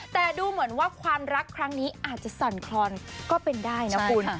แต่ดูเหมือนว่าความรักครั้งนี้อาจจะสั่นคลอนก็เป็นได้นะคุณ